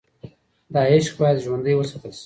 دا عشق باید ژوندی وساتل شي.